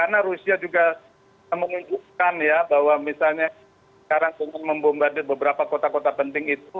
karena rusia juga menunjukkan ya bahwa misalnya sekarang dengan membombardir beberapa kota kota penting itu